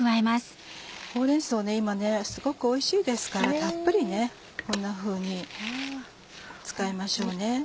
ほうれん草今すごくおいしいですからたっぷりこんなふうに使いましょう。